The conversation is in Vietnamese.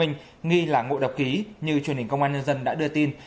nghi là ngộ độc khí như truyền hình công an nhân dân đã đưa tin